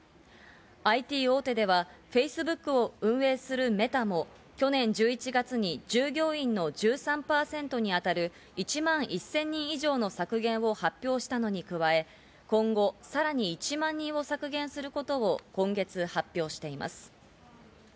ＩＴ大手ではフェイスブックを運営するメタも、去年１１月に従業員の１３％にあたる１万１０００人以上の削減を発表したのに加え、今後、さらに１万人を削減することを今月発表しています。